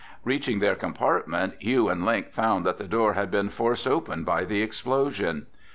Reaching their compartment, Hugh and Link found that the door had been forced open by the explosion.